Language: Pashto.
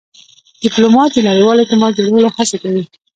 ډيپلومات د نړیوال اعتماد جوړولو هڅه کوي.